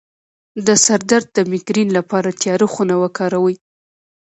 د سر درد د میګرین لپاره تیاره خونه وکاروئ